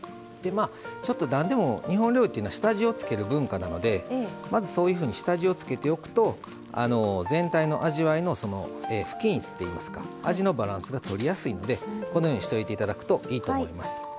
何でも日本料理というのは下味を付ける文化なのでまずそういうふうに下味を付けておくと全体の味わいの不均一っていいますか味のバランスがとりやすいのでこのようにしといて頂くといいと思います。